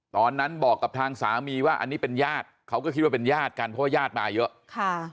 ตอนนั้นบอกกับทางสามีว่าอันนี้เป็นญาติเขาก็คิดว่าเป็นญาติกันเพราะว่าญาติมาเยอะค่ะ